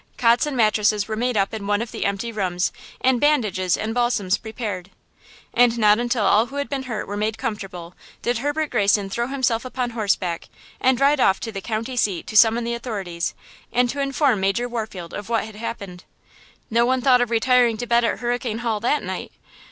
Cots and mattresses were made up in one of the empty rooms and bandages and balsams prepared. And not until all who had been hurt were made comfortable, did Herbert Greyson throw himself upon horseback, and ride off to the county seat to summon the authorities, and to inform Major Warfield of what had happened. No one thought of retiring to bed at Hurricane Hall that night.